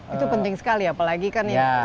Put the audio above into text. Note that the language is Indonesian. itu penting sekali apalagi kan ya